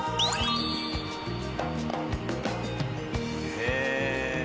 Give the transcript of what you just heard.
へえ。